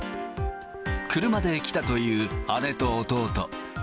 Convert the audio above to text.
車で来たという姉と弟。